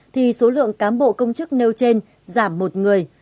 thì số lượng cán bộ công chức nêu trên giảm một người